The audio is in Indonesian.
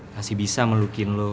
masih bisa ngelukin lu